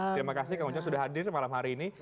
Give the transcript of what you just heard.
terima kasih kang ujang sudah hadir malam hari ini